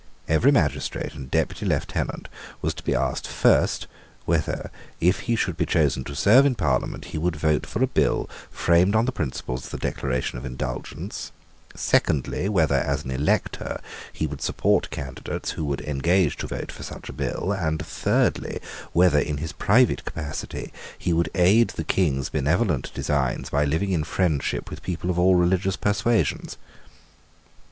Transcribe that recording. Every magistrate and Deputy Lieutenant was to be asked, first, whether, if he should be chosen to serve in Parliament, he would vote for a bill framed on the principles of the Declaration of Indulgence; secondly, whether, as an elector, he would support candidates who would engage to vote for such a bill and, thirdly, whether, in his private capacity, he would aid the King's benevolent designs by living in friendship with people of all religious persuasions.